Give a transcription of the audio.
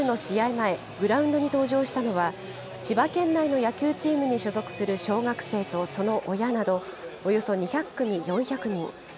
前、グラウンドに登場したのは、千葉県内の野球チームに所属する小学生とその親など、およそ２００組４００人。